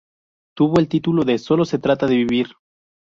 Tuvo el título de "Sólo se trata de vivir".